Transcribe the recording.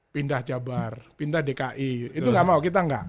pindah jabar pindah dki itu nggak mau kita enggak